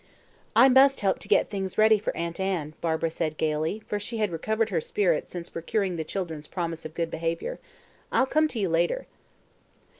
"I must help to get things ready for Aunt Anne," Barbara said gaily, for she had recovered her spirits since procuring the children's promise of good behaviour. "I'll come to you later."